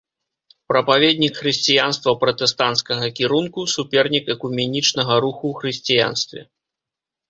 Прапаведнік хрысціянства пратэстанцкага кірунку, супернік экуменічнага руху ў хрысціянстве.